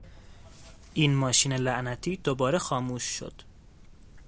این ماشین لعنتی دوباره خاموش شد!